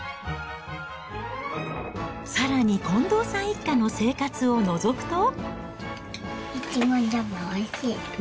さらに近藤さん一家の生活をのぞくと。